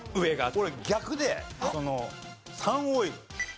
俺逆でサンオイル。